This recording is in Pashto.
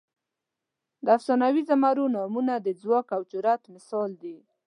د افسانوي زمرو نومونه د ځواک او جرئت مثال دي.